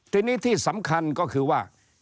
ทีนี้ที่สำคัญก็คือว่า